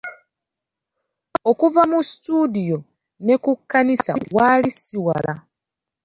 Okuva mu situdiyo, ne ku kkanisa waali ssi wala.